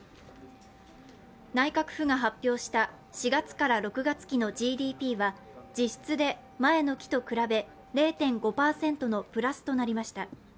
内閣府が発表した４月から６月期のＧＤＰは実質で前の期と比べ０．５％のプラスとなりました。